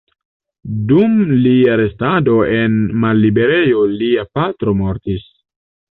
Dum lia restado en malliberejo lia patro mortis.